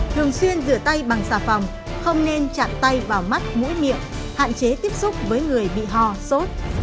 thường xuyên rửa tay bằng xà phòng không nên chạm tay vào mắt mũi miệng hạn chế tiếp xúc với người bị ho sốt